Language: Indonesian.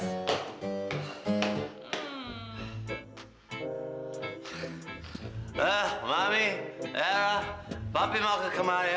ah mami ya lah papi mau ke kamar ya